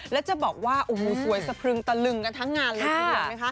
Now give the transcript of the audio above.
และจะบอกว่าโหสวยสะพรึงตะลึงกันทั้งงานเลยครับ